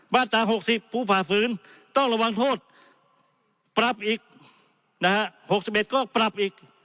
มาตรา๖๐ผู้ผ่าฝืนต้องระวังโทษปรับอีกนะฮะ๖๑ก็ปรับอีก